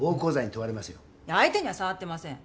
相手には触ってません。